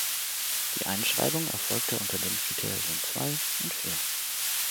Die Einschreibung erfolgte unter den Kriterien (ii) und (iv).